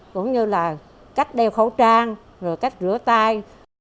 cũng như là cách đeo khẩu trang rồi cách rửa tay